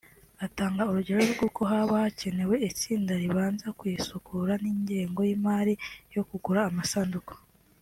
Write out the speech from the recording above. atanga urugero rw’uko haba hakenewe itsinda ribanza kuyisukura n’ingengo y’imari yo kugura amasanduku